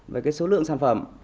về cái số lượng sản phẩm